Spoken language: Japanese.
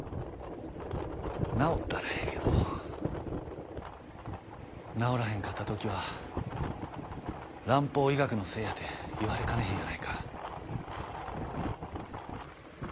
治ったらええけど治らへんかった時は蘭方医学のせいやて言われかねへんやないか。